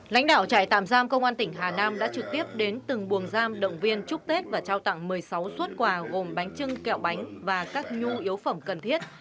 lãnh đạo trại tạm giam công an tỉnh hà nam đã trực tiếp đến từng buồng giam động viên chúc tết và trao tặng một mươi sáu xuất quà gồm bánh trưng kẹo bánh và các nhu yếu phẩm cần thiết